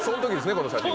この写真は。